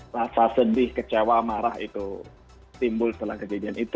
rasa sedih kecewa marah itu timbul setelah kejadian itu